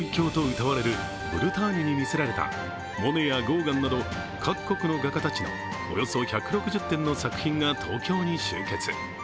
古くからフランスの異境とうたわれるブルターニュに魅せられたモネやゴーガンなど各国の画家たちのおよそ１６０点の作品が東京に集結。